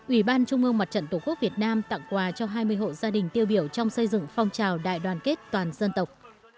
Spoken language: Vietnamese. ủy ban trung ương mặt trận tổ quốc việt nam tặng quà cho hai mươi hộ gia đình tiêu biểu trong xây dựng phong trào đại đoàn kết toàn dân tộc